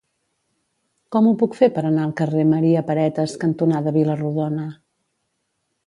Com ho puc fer per anar al carrer Maria Paretas cantonada Vila-rodona?